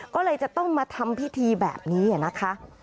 ก็เลยจะต้องมาทำพิธีแบบนี้นะคะ